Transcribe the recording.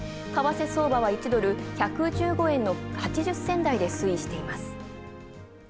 為替相場は１ドル１１５円の８０銭代で推移しています。